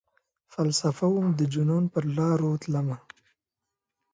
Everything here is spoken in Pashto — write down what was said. فلسفه وم ،دجنون پرلاروتلمه